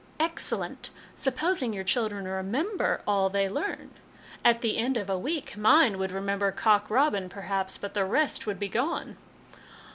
" Excellent, supposing your children remember all they learn. At the end of a week, mine would remember ' Cock Robin,' perhaps, but the rest would be gone